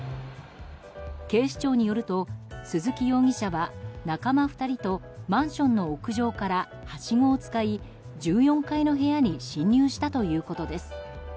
警視庁によると鈴木容疑者は、仲間２人とマンションの屋上からはしごを使い１４階の部屋に侵入したということです。